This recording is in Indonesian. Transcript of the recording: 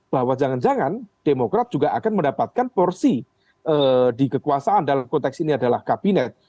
bahwa jangan jangan demokrat juga akan mendapatkan porsi di kekuasaan dalam konteks ini adalah kabinet